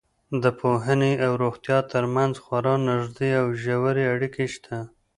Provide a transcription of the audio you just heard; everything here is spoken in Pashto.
د پوهنې او روغتیا تر منځ خورا نږدې او ژورې اړیکې شته.